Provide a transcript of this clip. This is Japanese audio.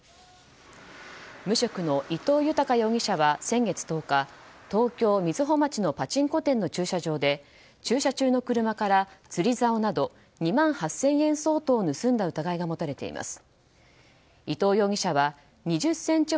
無職の伊藤豊容疑者は先月１０日東京・瑞穂町のパチンコ店の駐車場で駐車中の車から釣り竿など２万８０００円相当を盗んだ疑いが持たれています。